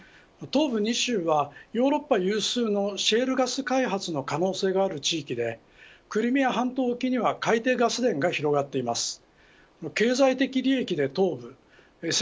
東部２州はヨーロッパ有数のシェールガス開発の可能性がある地域でクリミア半島沖には海底ガス田が広がっています。